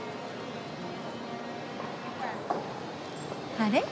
あれ？